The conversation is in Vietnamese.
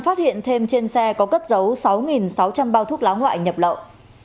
phát hiện thêm trên xe có cất dấu sáu sáu trăm linh bao thuốc lá ngoại nhập lậu